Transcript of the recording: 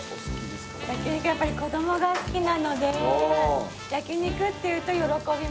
やっぱり子供が好きなので焼肉って言うと喜びますね。